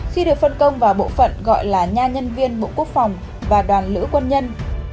khi được phân công vào bộ phận gọi là nha nhân viên bộ quốc phòng và đoàn lữ quân nhân